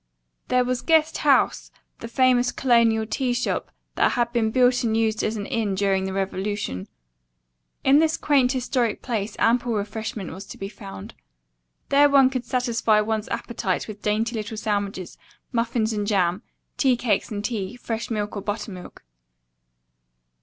There was Guest House, the famous colonial tea shop that had been built and used as an inn during the Revolution. In this quaint historic place ample refreshment was to be found. There one could satisfy one's appetite with dainty little sandwiches, muffins and jam, tea cakes and tea, fresh milk or buttermilk.